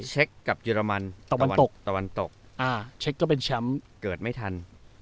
เชคกับเยอรมนีตะวันตกเชคก็เป็นแชมป์เกิดไม่ทัน